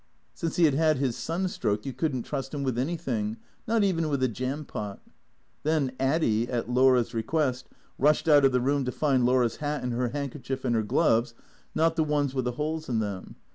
Since he had had his sunstroke you could n't trust him with anything, not even with a jam pot. Then Addy, at Laura's request, rushed out of the room to find Laura's hat and her handkerchief and her gloves — not the ones with the holes in them.